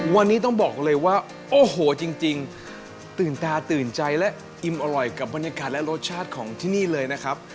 วันนี้ต้องบอกเลยว่าโอ้โหจริงตื่นตาตื่นใจและอิ่มอร่อยกับบรรยากาศและรสชาติของที่นี่เลยนะครับ